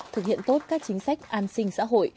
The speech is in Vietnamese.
thực hiện tốt các chính sách an sinh xã hội